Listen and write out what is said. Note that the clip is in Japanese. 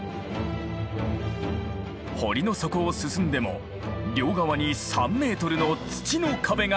堀の底を進んでも両側に３ｍの土の壁が立ちはだかる。